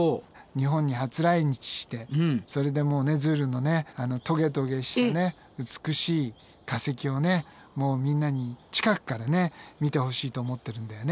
日本に初来日してそれでもうねズールのねトゲトゲした美しい化石をもうみんなに近くから見てほしいと思ってるんだよね。